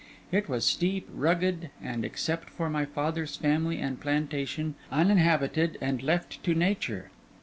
It was steep, rugged, and, except for my father's family and plantation, uninhabited and left to nature.